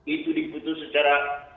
itu diputus secara